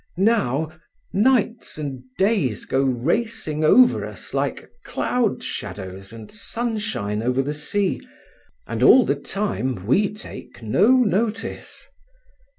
Now, nights and days go racing over us like cloud shadows and sunshine over the sea, and all the time we take no notice."